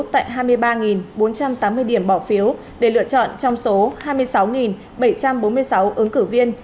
tại hai mươi ba bốn trăm tám mươi điểm bỏ phiếu để lựa chọn trong số hai mươi sáu bảy trăm bốn mươi sáu ứng cử viên